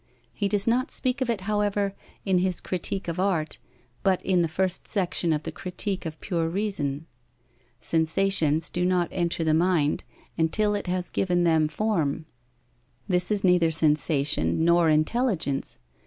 He does not speak of it, however, in his critique of art, but in the first section of the Critique of Pure Reason. Sensations do not enter the mind, until it has given them form. This is neither sensation nor intelligence.